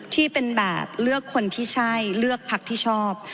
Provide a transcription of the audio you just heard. ที่เป็นแบบเลือกคนที่ใช่เลือกพักที่ชอบ